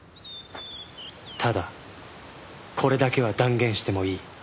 ただこれだけは断言してもいい